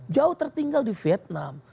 jauh tertinggal di vietnam